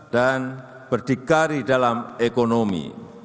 dan berdikari dalam ekonomi